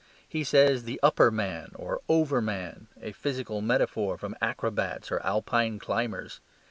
He says "the upper man," or "over man," a physical metaphor from acrobats or alpine climbers.